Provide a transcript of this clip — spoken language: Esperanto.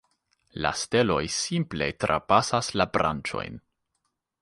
La steloj simple trapasas la branĉojn.